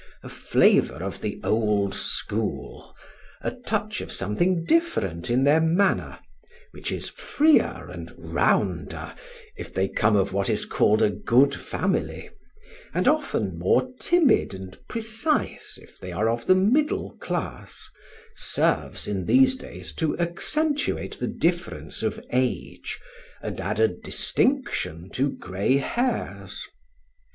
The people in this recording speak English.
A flavour of the old school, a touch of something different in their manner which is freer and rounder, if they come of what is called a good family, and often more timid and precise if they are of the middle class serves, in these days, to accentuate the difference of age and add a distinction to gray hairs.